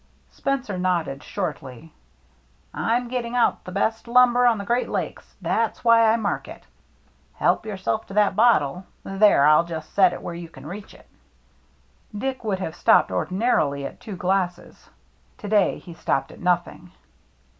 Spencer nodded shortly. " I'm getting out the best lumber on the Great Lakes — that's why I mark it — help yourself to that bottle — there, I'll just set it where you can reach it." Dick would have stopped ordinarily at two glasses. To day he stopped at nothing.